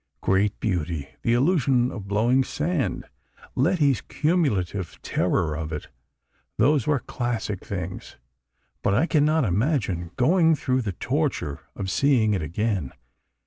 "Great beauty. The illusion of blowing sand ... Letty's cumulative terror of it—those were classic things. But I cannot imagine going through the torture of seeing it again.